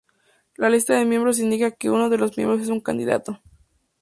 La lista de miembros indica que uno de los miembros es un candidato.